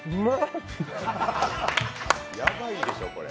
やばいでしょ、これ。